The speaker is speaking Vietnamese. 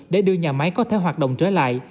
để đưa nhà máy có thể hoạt động trở lại